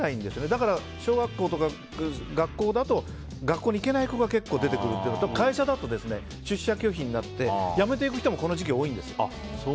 だから小学校とか学校だと学校に行けない子が結構出てくるというのと会社だと出社拒否になって辞めていく人も多い時期なんです。